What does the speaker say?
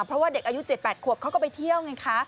เพราะว่าเด็กอายุ๗๘ขวบเขาก็ไปเที่ยวไงคะ